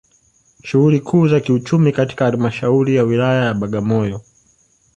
Shughuli kuu za kiuchumi katika Halmashauri ya Wilaya ya Bagamoyo